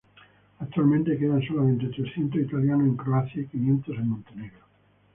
Actualmente quedan solamente trescientos italianos en Croacia y quinientos en Montenegro.